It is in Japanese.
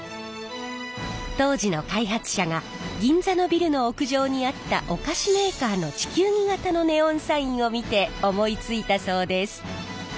当時の開発者が銀座のビルの屋上にあったお菓子メーカーの地球儀型のネオンサインを見て思いついたそうです。